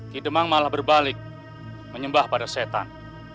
tidemang malah berbalik menyembah pada setan